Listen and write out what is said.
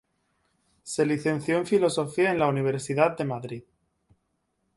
Se licenció en filosofía en la Universidad de Madrid.